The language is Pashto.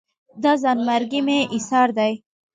دا ځان مرګي مې ایسار دي